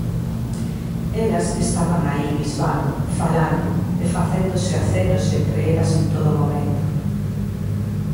Elas estaban aí bisbando, falando, e facéndose acenos entre elas en todo momento.